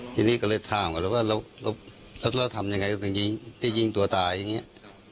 ทีนี้ก็เลยถามกันว่าแล้วเราทำยังไงก็ต้องยิงตัวตายอย่างเงี้ย